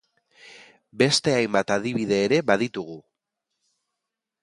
Beste hainbat adibide ere baditugu!